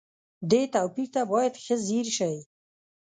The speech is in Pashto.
دې توپير ته بايد ښه ځير شئ.